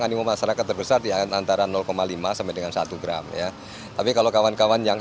animum masyarakat terbesar ya antara lima sampai dengan satu gram ya tapi kalau kawan kawan yang